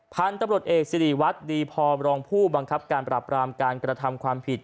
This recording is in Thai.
พันธุ์ตำรวจเอกสิริวัตรดีพร้อมรองผู้บังคับการปราบรามการกระทำความผิด